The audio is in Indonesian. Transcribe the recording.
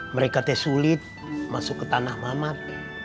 mereka teh sulit masuk ke tanah mamat